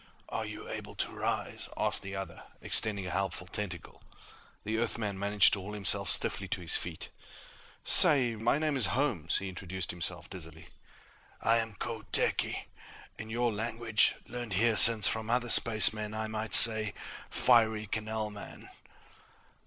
"Are you able to rise?" asked the other, extending a helpful tentacle. The Earthman managed to haul himself stiffly to his feet. "Say, my name is Holmes," he introduced himself dizzily. "I am Kho Theki. In your language, learned years since from other spacemen, I might say 'Fiery Canalman.'"